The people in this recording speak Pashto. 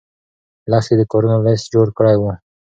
لښتې د کارونو لست جوړ کړی و.